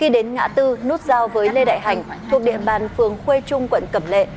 đã tư nút giao với lê đại hành thuộc địa bàn phường khuê trung quận cẩm lệ